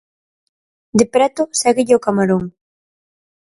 De preto séguelle o camarón.